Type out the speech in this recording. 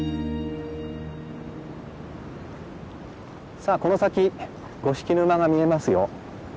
さあこの先五色沼が見えますよ。